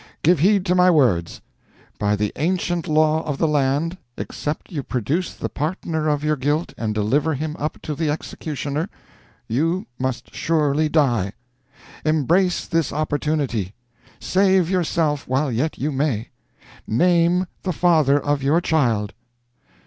Give heed to my words. By the ancient law of the land, except you produce the partner of your guilt and deliver him up to the executioner, you must surely die. Embrace this opportunity save yourself while yet you may. Name the father of your child!"